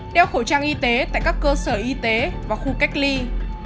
đeo khẩu trang y tế tại các cơ sở y tế và khu cách ly